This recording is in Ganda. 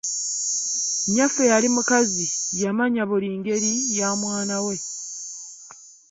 Nnyaffe yali mukazi yamanya buli ngeri ya mwana we.